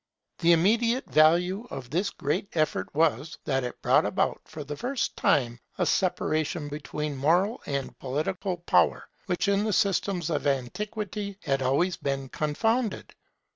The immediate value of this great effort was, that it brought about for the first time a separation between moral and political power, which in the systems of antiquity had always been confounded.